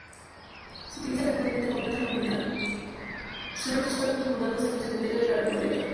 Sus restos fueron inhumados en el Cementerio de la Recoleta.